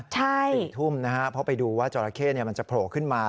ใช่ติดทุ่มนะครับเพราะไปดูว่าเจ้าระเข้มันจะโผล่ขึ้นมา